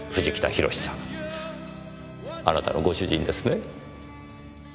あなたのご主人ですね？